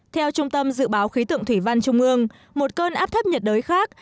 theo trung tâm dự báo khí tượng thủy văn trung ương một cơn áp thấp nhiệt đới khác